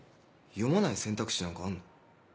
読まない選択肢なんかあんの？